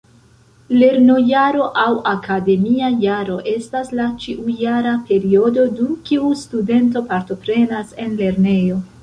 Lernojaro aŭ akademia jaro estas la ĉiujara periodo dum kiu studento partoprenas en lernejo.